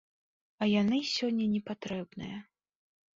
А яны сёння непатрэбныя.